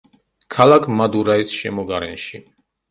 ქალაქ მადურაის შემოგარენში.